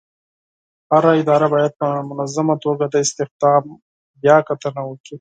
هره اداره باید په منظمه توګه د استخدام بیاکتنه وکړي.